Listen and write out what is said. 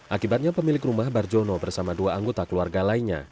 akibatnya pemilik rumah barjono bersama dua anggota keluarga lainnya